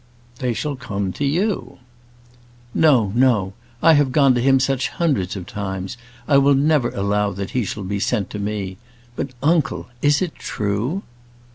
"They shall come to you." "No no. I have gone to him such hundreds of times; I will never allow that he shall be sent to me. But, uncle, is it true?"